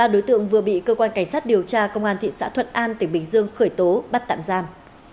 ba đối tượng vừa bị cơ quan cảnh sát điều tra công an thị xã thuận an tỉnh bình dương khởi tố bắt tạm giam